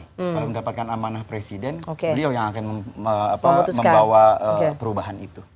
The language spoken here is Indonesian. kalau mendapatkan amanah presiden dia yang akan membawa perubahan itu